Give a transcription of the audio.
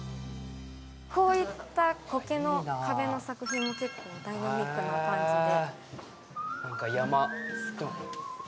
こういった、こけの壁の作品もダイナミックな感じで。